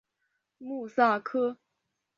穆萨克。